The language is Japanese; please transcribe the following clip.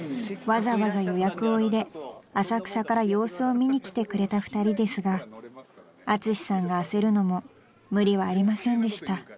［わざわざ予約を入れ浅草から様子を見に来てくれた２人ですがアツシさんが焦るのも無理はありませんでした］